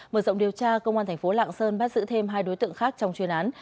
mở rộng điều tra công an thành phố lạng sơn bắt giữ thêm hai đối tượng khác trong chuyên án